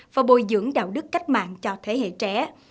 và bồi dưỡng đạo đức cách mạng cho thế hệ trẻ